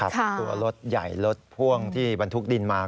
ตัวรถใหญ่รถพ่วงที่บรรทุกดินมา